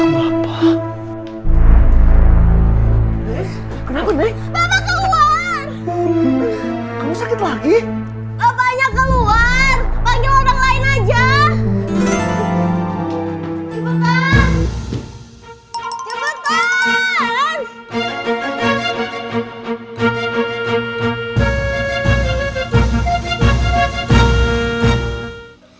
sampai nek melis darah